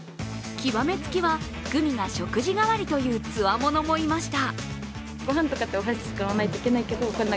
極めつきは、グミが食事代わりというつわものもいました。